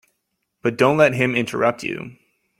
But don't let him interrupt you.